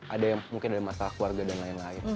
ada yang mungkin ada masalah keluarga dan lain lain